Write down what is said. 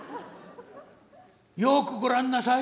よくご覧なさい。